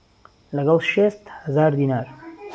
له گەڵ شێست ههزار دینار